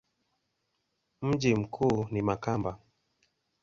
Mji mkuu ni Makamba.